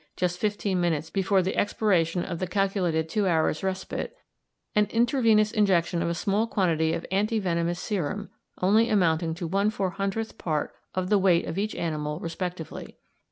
just fifteen minutes before the expiration of the calculated two hours' respite, an intravenous injection of a small quantity of anti venomous serum, only amounting to one four hundredth part of the weight of each animal respectively.